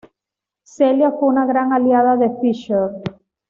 Celia fue una gran aliada de Fisher.